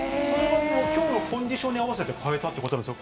きょうのコンディションに合わせて変えたということなんですか？